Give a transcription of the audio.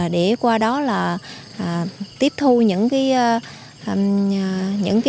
để qua đó là tiếp thu những cái